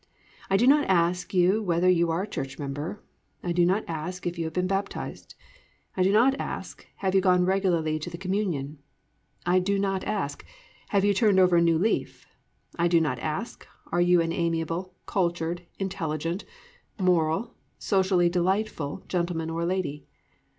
I do not ask you whether you are a church member. I do not ask if you have been baptised. I do not ask, have you gone regularly to the communion. I do not ask, have you turned over a new leaf. I do not ask, are you an amiable, cultured, intelligent, moral, socially delightful gentleman or lady.